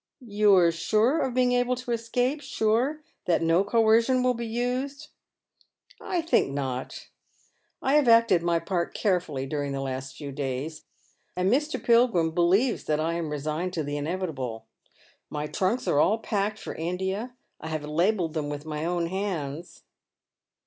" You are sure of being able to escape — sure that no coercion will be used?" " I think not. I have acted my part carefully during the last few days, and Mr. Pilgrim believes that I am resigned to the inevitable. My trunks are all packed for India. I have labelled them with my own hands."